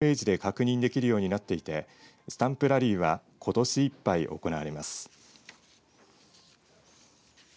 実施している観光地などは専用のホームページで確認できるようになっていてスタンプラリーはことしいっぱい行われます。